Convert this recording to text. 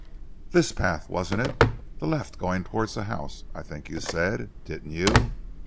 "This path, wasn't it? The left going towards the house, I think you said, didn't you?"